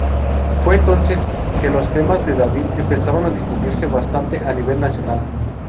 Fue entonces que los temas de David empezaron a difundirse bastante a nivel nacional.